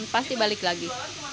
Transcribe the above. pasti balik lagi